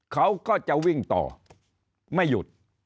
เขาก็จะวิ่งต่อไม่หยุด